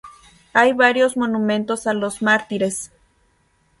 Hay varios monumentos a los mártires.